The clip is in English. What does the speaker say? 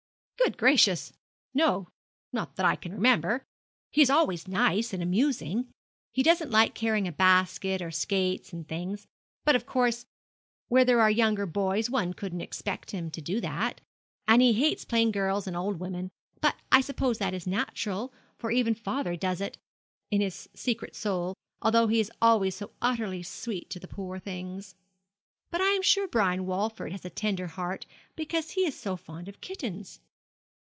'Good gracious! no, not that I can remember. He is always nice, and amusing. He doesn't like carrying a basket, or skates, and things; but of course, where there are younger boys one couldn't expect him to do that; and he hates plain girls and old women; but I suppose that is natural, for even father does it, in his secret soul, though he is always so utterly sweet to the poor things. But I am sure Brian Walford has a tender heart, because he is so fond of kittens.'